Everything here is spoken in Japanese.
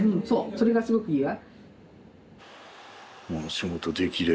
それがすごくいいわ。